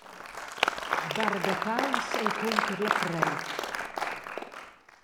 Sbargataus encunter la preit.